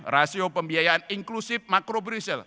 rasio pembiayaan inklusif makrobrisle